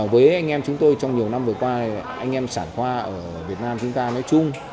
với anh em chúng tôi trong nhiều năm vừa qua anh em sản hoa ở việt nam chúng ta nói chung